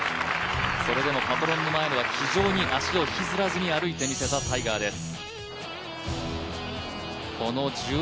それでもパトロンの前では気丈に足を引きずらずに歩いて見せたタイガーです。